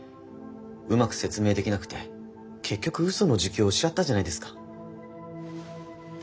うまく説明できなくて結局うその自供をしちゃったじゃないですか。